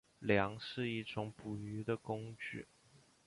梁是一种捕鱼的工具。